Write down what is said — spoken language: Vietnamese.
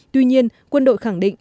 tuy nhiên quân đội khẳng định